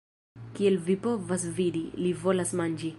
Kiel vi povas vidi, li volas manĝi